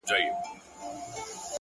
• له بدو څخه یا غلی اوسه یا لیري اوسه ,